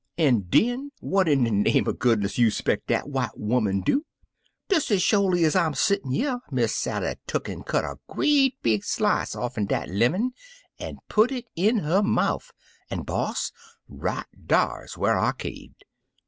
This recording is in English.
An' den what in de name er goodness you speck dat white 'oman do? Des ez sholy ez I 'm settin' yer, Miss Sally tuck'n cut er great big slishe off'n dat lemon an' put it in 'er mouf, an', boss, right dar's whar I caved.